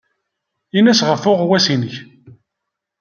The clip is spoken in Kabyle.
Ini-as ɣef uɣawas-nnek.